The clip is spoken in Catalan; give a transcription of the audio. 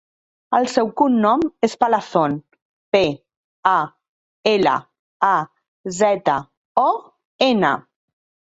El seu cognom és Palazon: pe, a, ela, a, zeta, o, ena.